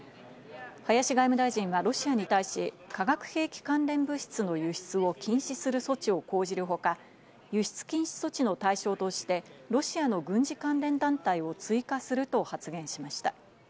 林外務大臣はロシアに対し、化学兵器関連物質の輸出を禁止する措置を講じるほか、輸出禁止措置の対象としてロシアの軍事関連団体を追加すると発言しました。